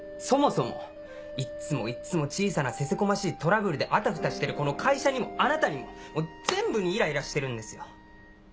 そもそもいっつもいっつも小さなせせこましいトラブルであたふたしてるこの会社にもあなたにももう全部にイライラしてるんですよ！